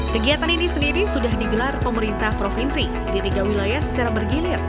kegiatan ini sendiri sudah digelar pemerintah provinsi di tiga wilayah secara bergilir